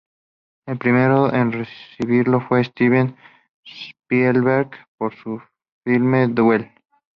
El primero en recibirlo fue Steven Spielberg por su filme Duel.